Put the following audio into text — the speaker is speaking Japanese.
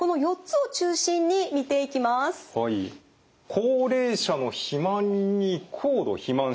高齢者の肥満に高度肥満症。